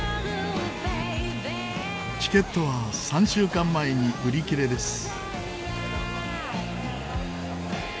チケットは３週間前に売り切れです。